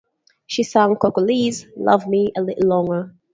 She sang Coco Lee's "Love Me a Little Longer".